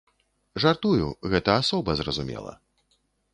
Жартую, гэта асоба, зразумела.